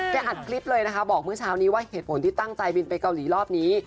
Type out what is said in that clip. อัดคลิปเลยนะคะบอกเมื่อเช้านี้ว่าเหตุผลที่ตั้งใจบินไปเกาหลีรอบนี้